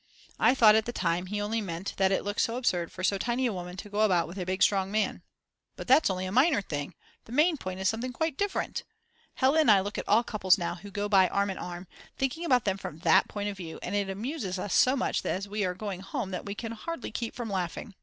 I thought at the time he only meant that it looks so absurd for so tiny a woman to go about with a big strong man. But that's only a minor thing; the main point is something quite different!!!! Hella and I look at all couples now who go by arm in arm, thinking about them from that point of view, and it amuses us so much as we are going home that we can hardly keep from laughing.